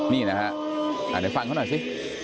นี่นะฮะอาจจะฟังเขาหน่อยสิ